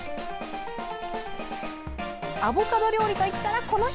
アボカド料理といったらこの人。